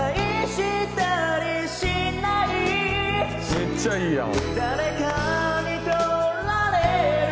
めっちゃいいやん。